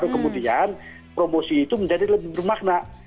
kemudian promosi itu menjadi lebih bermakna